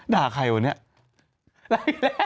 ด่าใครวะเนี่ย